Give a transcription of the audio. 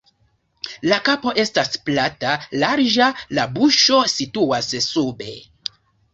La kapo estas plata, larĝa, la buŝo situas sube.